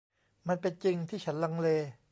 มันเป็นจริงที่ฉันลังเล